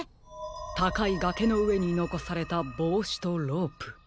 たかいがけのうえにのこされたぼうしとロープ。